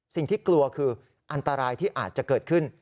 สิ่งที่กลัวคืออันตรายที่อาจจะเกิดขึ้น